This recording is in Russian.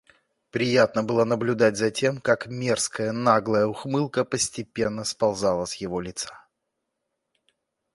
Приятно было наблюдать за тем, как мерзкая, наглая ухмылка постепенно сползала с его лица.